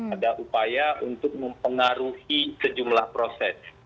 ada upaya untuk mempengaruhi sejumlah proses